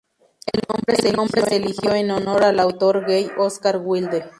El nombre se eligió en honor al autor gay Oscar Wilde.